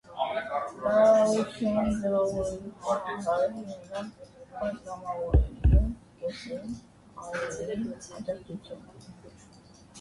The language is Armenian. Կառավարութիւն ձեւաւորեու համար անհրաժեշտ է ունենալ պատգամաւորներու կէսէն աւելիին աջակցութիւնը։